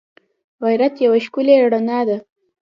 غیرت یوه ښکلی رڼا ده